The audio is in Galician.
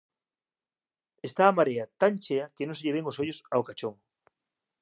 Está a marea tan chea que non se lle ven os ollos ao Cachón